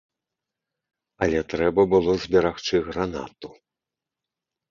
Але трэба было зберагчы гранату.